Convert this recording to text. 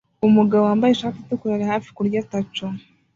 Umugabo wambaye ishati itukura ari hafi kurya taco